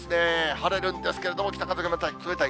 晴れるんですけれども、北風がまた冷たい。